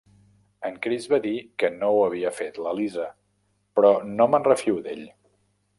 En Chris va dir que ho havia fet la Lisa, però no me'n refio d'ell.